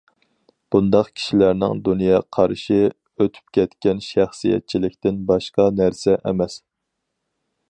بۇنداق كىشىلەرنىڭ دۇنيا قارىشى ئۆتۈپ كەتكەن شەخسىيەتچىلىكتىن باشقا نەرسە ئەمەس.